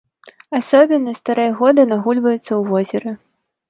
Асобіны старэй года нагульваюцца ў возеры.